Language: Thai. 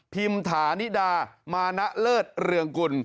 ถานิดามานะเลิศเรืองกุล